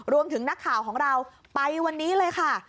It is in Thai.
นักข่าวของเราไปวันนี้เลยค่ะ